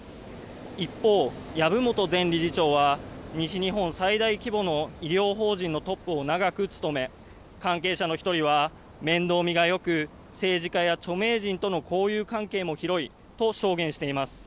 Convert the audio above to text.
一方、籔本前理事長は西日本最大規模の医療法人のトップ長く務め関係者の１人は面倒見がよく、政治家や著名人との交友関係も広いと証言しています。